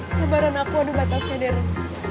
sabaran aku ada batasnya deren